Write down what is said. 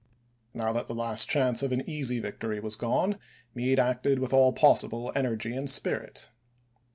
Now that the last chance of an easy victory was gone, Meade acted with all possible energy and spirit.